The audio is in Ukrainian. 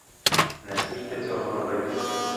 Не смійте цього робити!